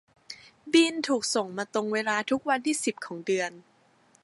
บิลถูกส่งมาตรงเวลาทุกวันที่สิบของเดือน